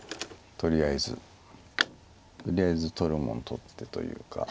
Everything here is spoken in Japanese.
とりあえず取るもん取ってというか。